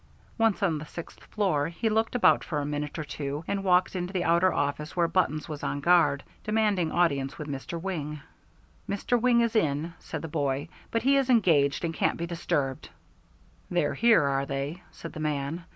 Once on the sixth floor he looked about for a minute or two and walked into the outer office where Buttons was on guard, demanding audience with Mr. Wing. "Mr. Wing is in," said the boy, "but he is engaged and can't be disturbed." "They're here, are they?" said the man.